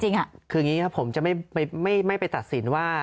จริงคืออย่างนี้ครับผมจะไม่ไปตัดสินว่า